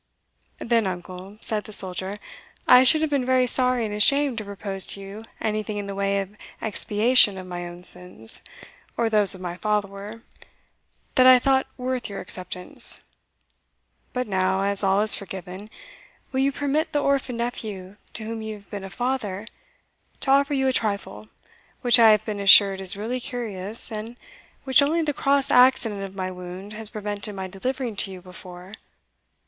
"Then, uncle," said the soldier, "I should have been very sorry and ashamed to propose to you anything in the way of expiation of my own sins, or those of my follower, that I thought worth your acceptance; but now, as all is forgiven, will you permit the orphan nephew, to whom you have been a father, to offer you a trifle, which I have been assured is really curious, and which only the cross accident of my wound has prevented my delivering to you before?